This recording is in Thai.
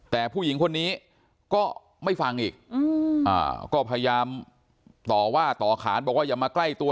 แต่ผู้หญิงคนนี้ก็ไม่ฟังอีกก็พยายามต่อว่าต่อขานบอกว่าอย่ามาใกล้ตัว